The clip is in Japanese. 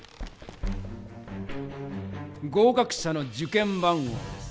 合かく者の受験番号です。